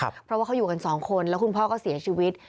เพราะว่าเขาอยู่กันสองคนแล้วคุณพ่อก็เสียชีวิต